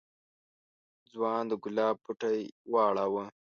ځوان د گلاب بوټی واړاوه.